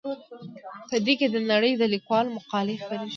په دې کې د نړۍ د لیکوالو مقالې خپریږي.